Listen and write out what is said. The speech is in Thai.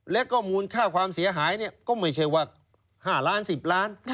และก็มูลค่าความเสียหายก็ไม่ใช่ว่า๕ล้าน๑๐ล้าน